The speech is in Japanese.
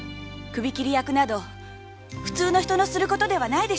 首切り役など普通の人のする事ではないわ。